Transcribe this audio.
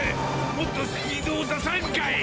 もっとスピードを出さんかい！